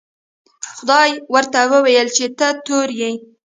خدای ورته وویل چې ته تور یې.